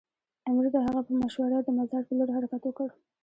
امیر د هغه په مشوره د مزار پر لور حرکت وکړ.